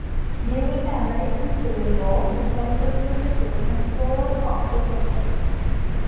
During the American Civil War, the Confederacy took control of the property.